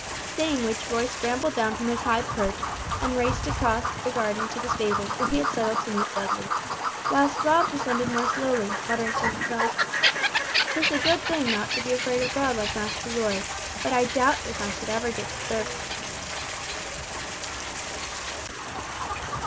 Saying which Roy scrambled down from his high perch and raced across the garden to the stables where he had settled to meet Dudley; whilst Rob descended more slowly, muttering to himself, "'Tis a good thing not to be afraid of God like Master Roy, but I doubt if I should ever get to serve Him!"